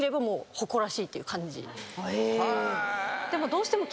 でもどうしても。